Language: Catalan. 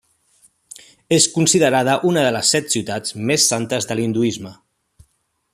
És considerada una de les set ciutats més santes de l'hinduisme.